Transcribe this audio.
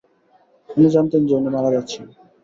উনি জানতেন যে উনি মারা যাচ্ছেন।